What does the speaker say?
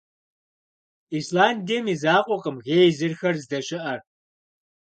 Исландием и закъуэкъым гейзерхэр здэщыӀэр.